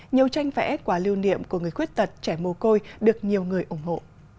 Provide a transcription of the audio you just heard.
nhiều tranh vẽ quà lưu niệm của người khuyết tật trẻ mồ côi được nhiều người ủng hộ